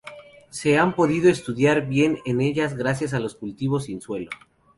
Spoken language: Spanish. Se han podido estudiar bien en ellas gracias al cultivos sin suelo.